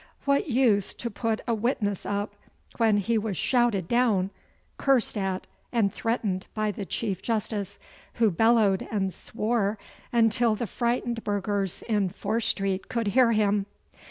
What use to put a witness up, when he was shouted down, cursed at, and threatened by the Chief Justice, who bellowed and swore until the frightened burghers in Fore Street could hear him?